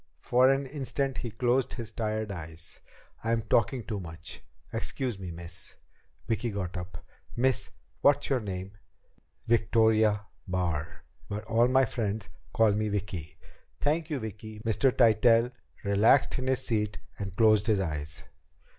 For an instant he closed his tired eyes. "I'm talking too much. Excuse me, miss." Vicki got up. "Miss, what's your name?" "Victoria Barr. But all my friends call me Vicki." "Thank you, Vicki." Mr. Tytell relaxed in his seat and closed his eyes.